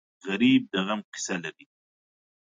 غریب د غم قصه لري